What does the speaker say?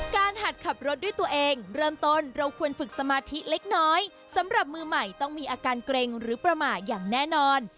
หัดขับรถด้วยตัวเองเริ่มต้นเราควรฝึกสมาธิเล็กน้อยสำหรับมือใหม่ต้องมีอาการเกร็งหรือประมาทอย่างแน่นอน